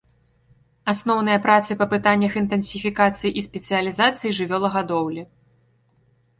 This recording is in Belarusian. Асноўныя працы па пытаннях інтэнсіфікацыі і спецыялізацыі жывёлагадоўлі.